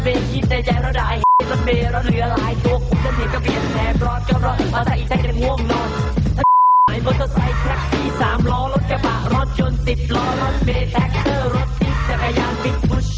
โปรดติดตามตอนต่อไป